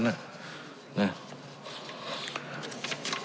เนี่ย